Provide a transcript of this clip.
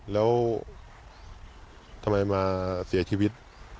แล้วทำไมมาเสียชีวิต